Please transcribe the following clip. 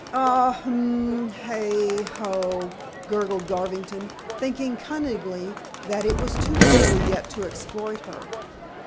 "Ah hum hey ho!" gurgled Garvington, thinking cunningly that it was too early yet to exploit her.